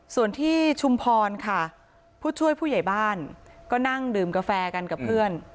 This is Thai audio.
ส่วนที่ชุมพรค่ะผู้ช่วยผู้ใหญ่บ้านก็นั่งดื่มกาแฟกันกับเพื่อน